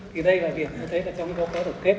thì đây là việc chúng ta thấy trong vô khóa đổi kết